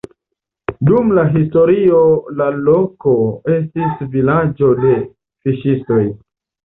Dum la historio la loko estis vilaĝo de fiŝistoj.